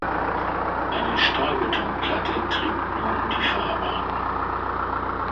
Eine Stahlbetonplatte trägt nun die Fahrbahn.